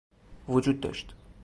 وجود داشت